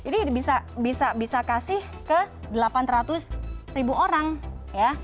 jadi bisa kasih ke delapan ratus ribu orang ya